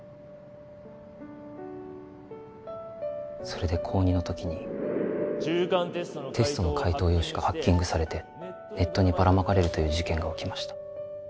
それで高２の時にテストの解答用紙がハッキングされてネットにばらまかれるという事件が起きました